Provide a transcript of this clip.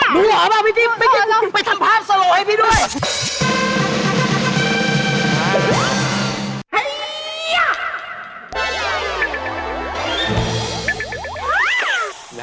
หนูหรอแม่งดิไปทำภาพสะโหลให้พี่ด้วย